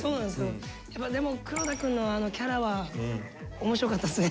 やっぱでも黒田くんのあのキャラは面白かったっすね。